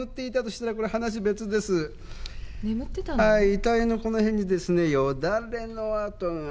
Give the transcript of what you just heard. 遺体のこの辺にですねよだれのあとが。